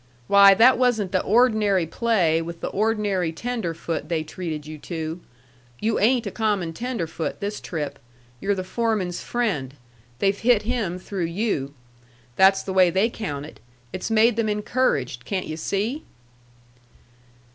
Why, that wasn't the ordinary play with the ordinary tenderfoot they treated you to! You ain't a common tenderfoot this trip. You're the foreman's friend. They've hit him through you. That's the way they count it. It's made them encouraged. Can't yu' see?"